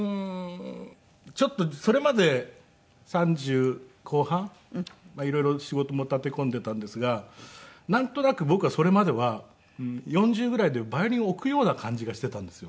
ちょっとそれまで３０後半色々仕事も立て込んでいたんですがなんとなく僕はそれまでは４０ぐらいでヴァイオリンを置くような感じがしていたんですよ。